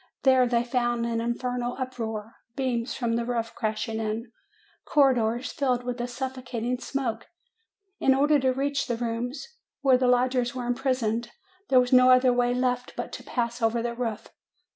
There they found an infernal uproar, beams from the roof crashing in, corridors filled with a suffocating smoke. In order to reach the rooms where the lodgers were imprisoned, there was no other way left but to pass over the roof.